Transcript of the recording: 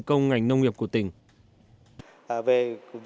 công nghiệp của tỉnh